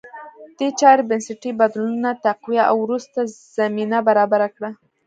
دې چارې بنسټي بدلونونه تقویه او وروسته زمینه برابره کړه